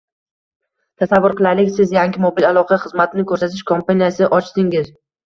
Tasavvur qilaylik, siz yangi mobil aloqa xizmatini ko’rsatish kompaniyasi ochdingiz